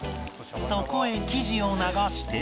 そこへ生地を流して